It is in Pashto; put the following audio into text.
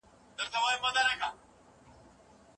د دلارام په ښوونځیو کي د پوهني کچه ورځ تر بلې لوړېږي.